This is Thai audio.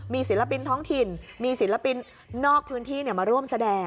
มีศิลปินท้องถิ่นมีศิลปินนอกพื้นที่มาร่วมแสดง